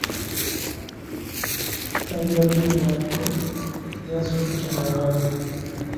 Ezandibadde engatto yali azikutte mu ngalo.